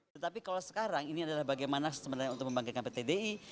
tetapi kalau sekarang ini adalah bagaimana sebenarnya untuk membangkitkan pt di